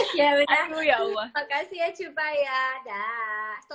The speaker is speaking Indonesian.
salamualaikum ya udah terima kasih ya cupa ya daaah